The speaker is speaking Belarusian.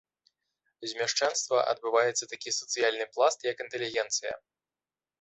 З мяшчанства адбываецца такі сацыяльны пласт як інтэлігенцыя.